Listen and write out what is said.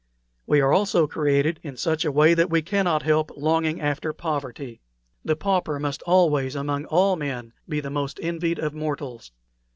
We are also created in such a way that we cannot help longing after poverty. The pauper must always, among all men, be the most envied of mortals.